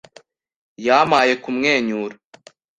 Yampaye kumwenyura.